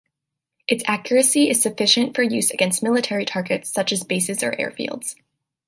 Its accuracy is sufficient for use against military targets such as bases or airfields.